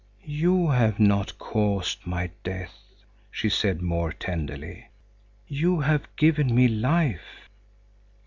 "You have not caused my death," she said more tenderly, "you have given me life."